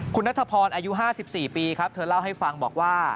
คุณนัทพรอายุ๕๔ปีครับเธอเล่าให้ฟังบอกว่า